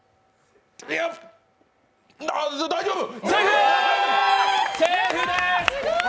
大丈夫！